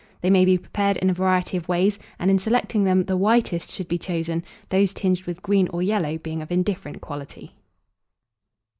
They may be prepared in a variety of ways; and, in selecting them, the whitest should be chosen; those tinged with green or yellow being of indifferent quality.